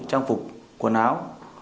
trang phục quần áo